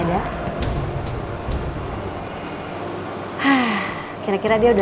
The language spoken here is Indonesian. aku bayang nggak kalau anak kita masih ada